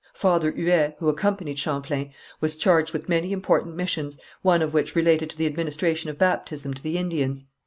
Father Huet, who accompanied Champlain, was charged with many important missions, one of which related to the administration of baptism to the Indians.